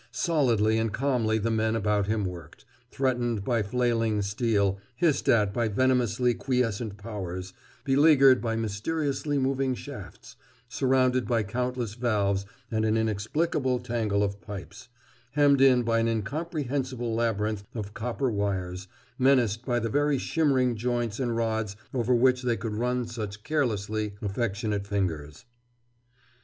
Stolidly and calmly the men about him worked, threatened by flailing steel, hissed at by venomously quiescent powers, beleaguered by mysteriously moving shafts, surrounded by countless valves and an inexplicable tangle of pipes, hemmed in by an incomprehensible labyrinth of copper wires, menaced by the very shimmering joints and rods over which they could run such carelessly affectionate fingers.